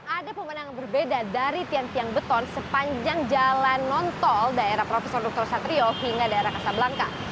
ada pemenang berbeda dari tiang tiang beton sepanjang jalan nontol daerah prof dr satrio hingga daerah kasab langka